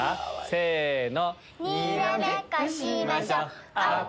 せの。